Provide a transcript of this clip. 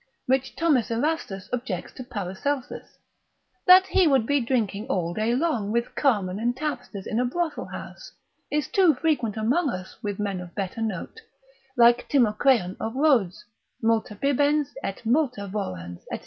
Which Thomas Erastus objects to Paracelsus, that he would be drinking all day long with carmen and tapsters in a brothel house, is too frequent among us, with men of better note: like Timocreon of Rhodes, multa bibens, et multa vorans, &c.